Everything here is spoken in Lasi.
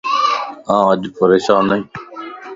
آن اڄ پريشان ائي